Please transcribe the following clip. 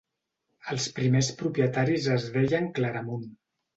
Els primers propietaris es deien Claramunt.